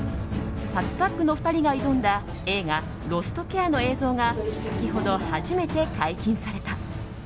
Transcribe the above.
初タッグの２人が挑んだ映画「ロストケア」の映像が先ほど初めて解禁された。